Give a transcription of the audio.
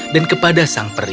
dan kepada sang putri